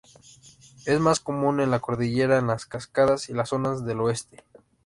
Es más común en la Cordillera de las Cascadas y las zonas del oeste.